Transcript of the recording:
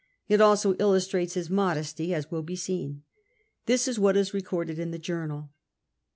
It also illustrates his 'modesty, as will be seen. Tills is what is recorded in the journal.